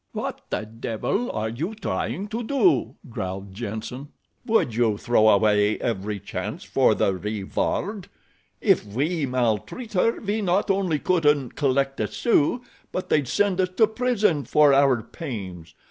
"What the devil are you trying to do?" growled Jenssen. "Would you throw away every chance for the reward? If we maltreat her we not only couldn't collect a sou, but they'd send us to prison for our pains.